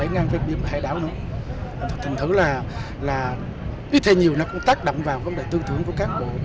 nhưng mà hệ đảo nữa thực thần thử là ít hay nhiều nó cũng tác động vào vấn đề tư tưởng của cán bộ